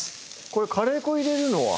これカレー粉入れるのは？